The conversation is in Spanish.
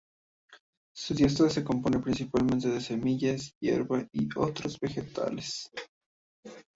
Su dieta se compone principalmente de semillas, hierba y otros vegetales.